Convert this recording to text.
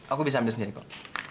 aku bisa ambil sendiri kok